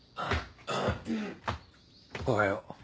おはよう。